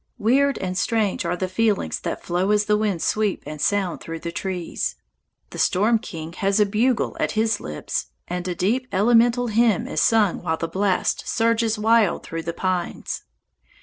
Weird and strange are the feelings that flow as the winds sweep and sound through the trees. The Storm King has a bugle at his lips, and a deep, elemental hymn is sung while the blast surges wild through the pines.